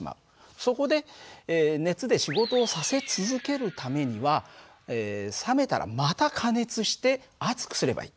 そこで熱で仕事をさせ続けるためには冷めたらまた加熱して熱くすればいい。